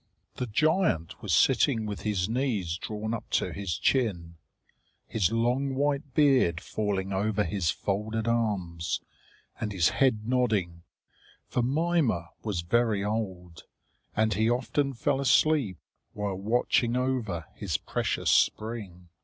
The giant was sitting with his knees drawn up to his chin, his long white beard falling over his folded arms, and his head nodding; for Mimer was very old, and he often fell asleep while watching over his precious spring.